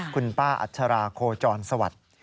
คุณป้าอัชราโคจรสวัสดิ์